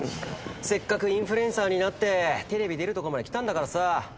せっかくインフルエンサーになってテレビ出るとこまできたんだからさ。